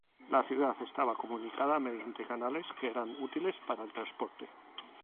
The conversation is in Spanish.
La ciudad estaba comunicada mediante canales que eran útiles para el transporte.